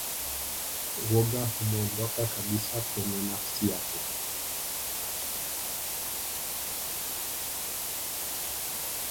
woga humuondoka kabisa kwenye nafsi yake